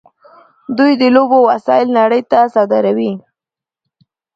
دوی د لوبو وسایل نړۍ ته صادروي.